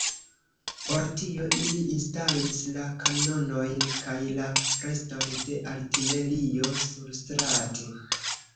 Por tio ili instalis la kanonojn kaj la reston de artilerio surstrate.